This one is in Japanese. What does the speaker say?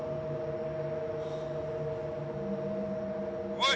おい。